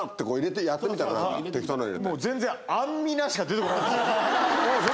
もう全然「アンミナ」しか出てこないんですよ。